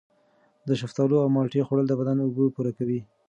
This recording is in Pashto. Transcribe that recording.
د شفتالو او مالټې خوړل د بدن اوبه پوره کوي.